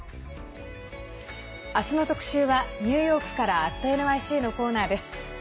明日の特集はニューヨークから「＠ｎｙｃ」のコーナーです。